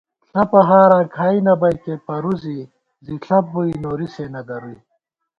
ݪپہ ہاراں کھائی نہ بئیکے پرُوزی زی ݪپ بُوئی نوری سے نہ درُوئی